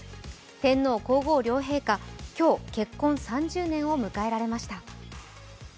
天皇皇后両陛下、今日結婚３０年を迎えられました。